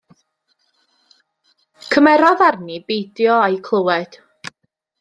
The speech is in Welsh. Cymerodd arni beidio â'u clywed.